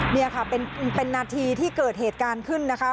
นี่ค่ะเป็นนาทีที่เกิดเหตุการณ์ขึ้นนะคะ